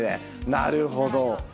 なるほど。